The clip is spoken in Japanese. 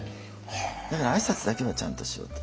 だから挨拶だけはちゃんとしようと思って。